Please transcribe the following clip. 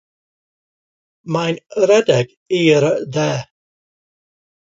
Mae'n rhedeg i'r de.